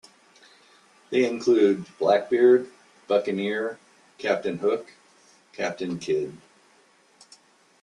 They include "Blackbeard," "Buccaneer," "Captain Hook," "Captain Kidd.